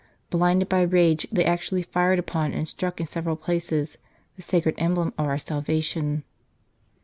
Blinded by rage, they actually fired upon, and struck in several places, the sacred Emblem of our Salvation.